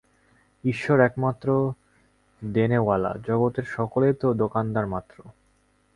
ঈশ্বর একমাত্র দেনেওয়ালা, জগতের সকলেই তো দোকানদার মাত্র।